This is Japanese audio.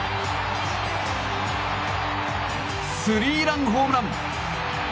スリーランホームラン！